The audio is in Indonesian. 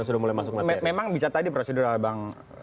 ya jadi begini memang bisa tadi prosedur al alban